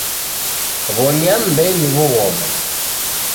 Wonia mmbenyu wughoma